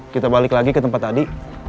kita balik lagi ke tempat tadi